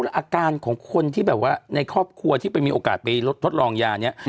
แล้วอาการของคนที่แบบว่าในครอบครัวที่ไปมีโอกาสไปทดลองยาเนี่ย